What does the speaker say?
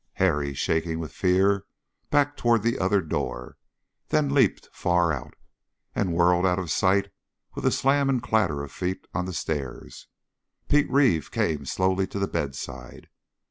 Harry, shaking with fear, backed toward the other door, then leaped far out, and whirled out of sight with a slam and clatter of feet on the stairs. Pete Reeve came slowly to the bedside.